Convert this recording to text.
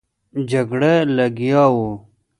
جګړه لګیا وو.